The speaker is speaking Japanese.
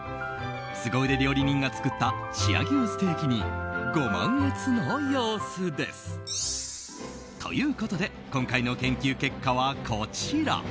スゴ腕料理人が作った千屋牛ステーキにご満悦の様子です。ということで今回の研究結果はこちら。